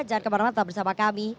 jangan kemana mana tetap bersama kami